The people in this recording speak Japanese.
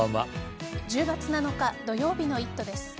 １０月７日土曜日の「イット！」です。